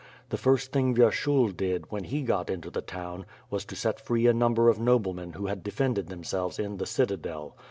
The first thing Vyer&hul did, when he got into the town, was to set free a num'ber of noblemen who had defended themselves in the citadel.